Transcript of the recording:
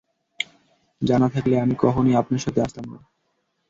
জানা থাকলে আমি কখনই আপনার সাথে আসতাম না।